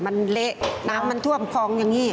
มันเละน้ำมันท่วมคลองอย่างนี้